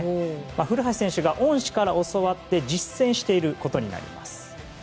古橋選手が恩師から教わって実践していることになります。